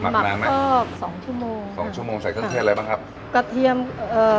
หมักน้ำไหมหมักเพิ่มสองชั่วโมงสองชั่วโมงใส่เครื่องเทศอะไรบ้างครับกระเทียมเอ่อ